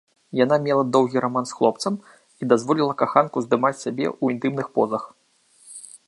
Яна мела доўгі раман з хлопцам і дазволіла каханку здымаць сябе ў інтымных позах.